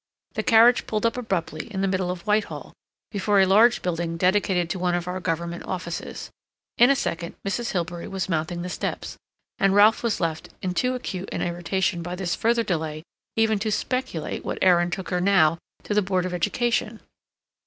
The carriage pulled up abruptly in the middle of Whitehall before a large building dedicated to one of our Government offices. In a second Mrs. Hilbery was mounting the steps, and Ralph was left in too acute an irritation by this further delay even to speculate what errand took her now to the Board of Education.